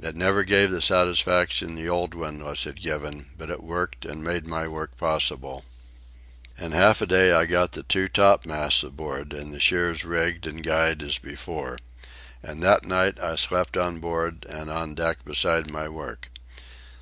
It never gave the satisfaction the old windlass had given, but it worked and made my work possible. In half a day I got the two topmasts aboard and the shears rigged and guyed as before. And that night I slept on board and on deck beside my work.